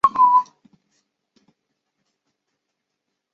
此书是他公开出版发行的第一部着作。